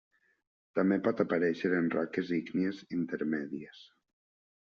També pot aparèixer en roques ígnies intermèdies.